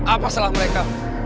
apa salah mereka